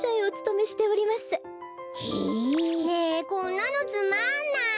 ねえこんなのつまんない。